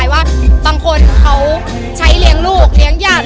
ว่าบางคนใช้เลี้ยงลูกเลี้ยงอย่าง